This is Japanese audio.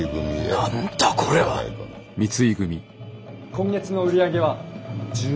今月の売り上げは１０万。